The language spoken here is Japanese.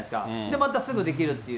またすぐできるっていう。